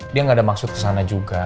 dia nggak ada maksud kesana juga